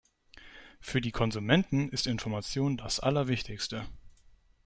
Für die Konsumenten ist Information das allerwichtigste.